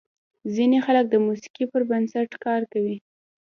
ځینې خلک د موسیقۍ پر بنسټ کار کوي.